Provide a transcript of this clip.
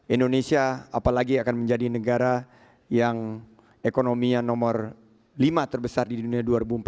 indonesia apalagi akan menjadi negara yang ekonominya nomor lima terbesar di dunia dua ribu empat belas